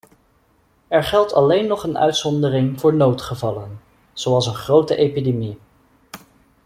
Er geldt alleen nog een uitzondering voor noodgevallen, zoals een grote epidemie.